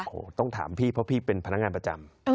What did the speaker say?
โอ้โหต้องถามพี่เพราะพี่เป็นพนักงานประจำ